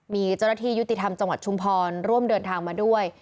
มีเจ้าหน้าที่ยุติธรรมจังหวัดชุมพรร่วมเดินทางมาด้วย